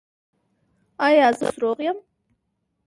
ایا زه اوس روغ یم؟